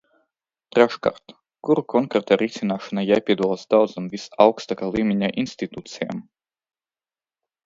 Treškārt, kuru konkrētā risināšanā jāpiedalās daudzām visaugstākā līmeņa institūcijām.